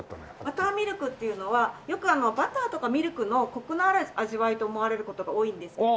バターミルクっていうのはよくバターとかミルクのコクのある味わいと思われる事が多いんですけれども。